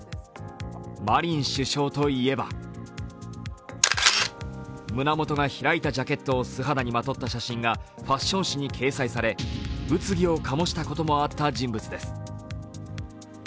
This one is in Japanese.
マリン首相といえば、胸元が開いたジャケットを素肌にまとった写真がファッション誌に掲載され、物議を醸したこともあった人物です。